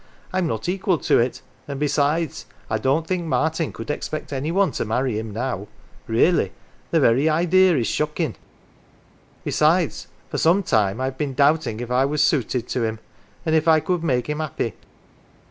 I'm not equal to it; and liesides, I don't think Martin could expect any one to marry him now. Really, the very ideer is shockin' ! Besides, for some time I'd been doubting if I was suited to him, if I could make him 'appy.